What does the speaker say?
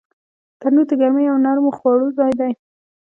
تنور د ګرمۍ او نرمو خوړو ځای دی